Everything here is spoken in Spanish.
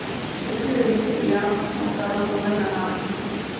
Éste le dice que le ha matado con una granada.